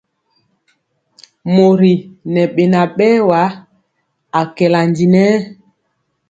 Mori ŋɛ beŋa berwa, akɛla ndi nɛ.